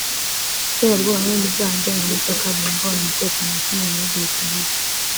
iterabwoba n’ibindi byaha ndengamipaka bihungabanya umutekano wa kimwe mu bihugu bikagize